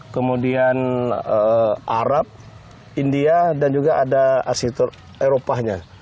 kemudian arab india dan juga ada arsitek eropanya